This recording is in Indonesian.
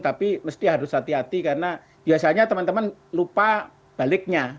tapi mesti harus hati hati karena biasanya teman teman lupa baliknya